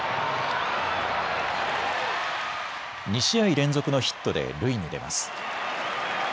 ２試合連続のヒットで塁に出ます。